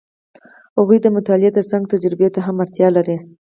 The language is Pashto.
هغوی د مطالعې ترڅنګ تجربې ته هم اړتیا لري.